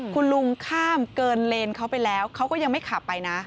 คุณลุงข้ามเกินเลนเขาไปแล้วเขาก็ยังไม่ขับไปนะ